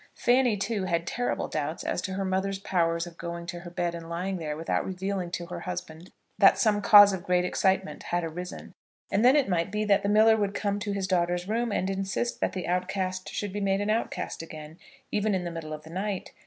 Fanny, too, had terrible doubts as to her mother's powers of going to her bed and lying there without revealing to her husband that some cause of great excitement had arisen. And then it might be that the miller would come to his daughter's room, and insist that the outcast should be made an outcast again, even in the middle of the night.